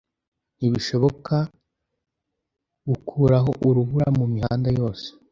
ntibishoboka gukuraho urubura mumihanda yose